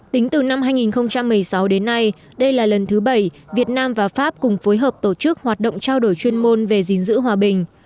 tính từ năm hai nghìn một mươi sáu đến nay đây là lần thứ bảy việt nam và pháp cùng phối hợp tổ chức hoạt động trao đổi chuyên môn về gìn giữ hòa bình